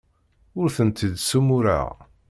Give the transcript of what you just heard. Ur tent-id-ssumureɣ.